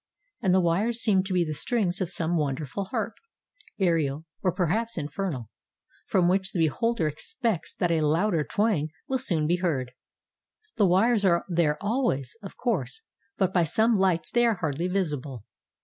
And the wires seem to be the strings of some wonderful harp, — aerial or perhaps infernal, — from which the beholder expects that a louder twang will soon be heard. The wires are there always, of course, but by some lights they are hardly visible.